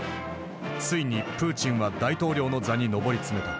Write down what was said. ついにプーチンは大統領の座に上り詰めた。